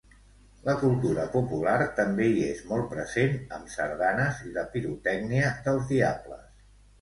La cultura popular també hi és molt present, amb sardanes i la pirotècnia dels diables.